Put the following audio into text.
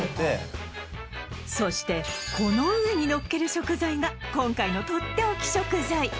そしてこの上にのっける食材が今回のとっておき食材